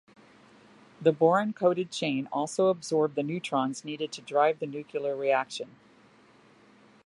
The boron-coated chain also absorbed the neutrons needed to drive the nuclear reaction.